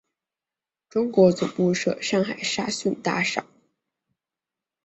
中国总部设上海沙逊大厦。